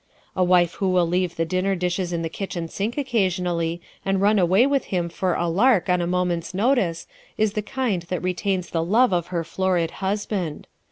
A wife who will leave the dinner dishes in the kitchen sink occasionally and run away with him for a "lark" on a moment's notice is the kind that retains the love of her florid husband.